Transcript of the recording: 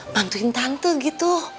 bantuin tante gitu